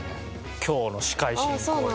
今日の司会進行に。